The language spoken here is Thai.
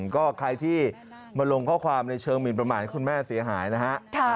ก็ใครที่มาลงข้อความในเชิงหมินประมาทให้คุณแม่เสียหายนะฮะ